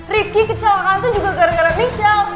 riki kecelakaan tuh juga gara gara michelle